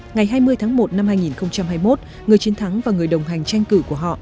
ngày hai mươi tháng một năm hai nghìn hai mươi một người chiến thắng và người đồng hành tranh cử của họ